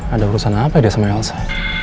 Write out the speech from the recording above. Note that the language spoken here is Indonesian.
ada urusan apa ya sama elsa